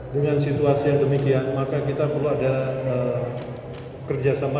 dengan situasi yang demikian maka kita perlu ada kerjasama